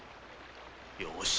よし！